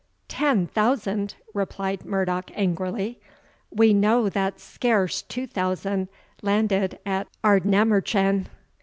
"Ten thousand!" replied Murdoch angrily; "we know that scarce two thousand landed at Ardnamurchan."